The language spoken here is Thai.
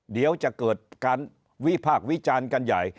เดี๋ยวจะเกิดการวิพากษ์วิจารณ์กันใหญ่